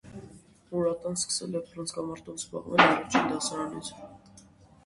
Մուրատան սկսել է բռնցքամարտով զբաղվել առաջին դասարանից։